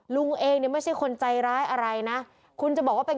ลุงเองเนี่ยไม่ใช่คนใจร้ายอะไรนะคุณจะบอกว่าเป็น